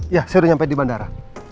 ya saya udah nyampe di bandara